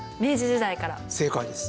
正解です。